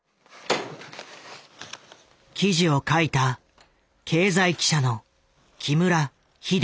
記事を書いた経済記者の木村秀哉。